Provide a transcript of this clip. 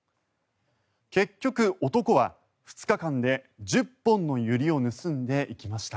結局、男は２日間で１０本のユリを盗んでいきました。